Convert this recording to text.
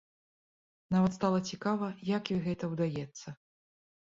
Нават стала цікава, як ёй гэта ўдаецца?